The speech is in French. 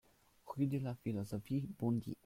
Rue de la Philosophie, Bondy